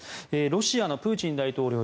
ロシアのプーチン大統領